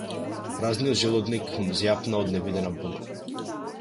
Празниот желудник му зјапна од невидена буна.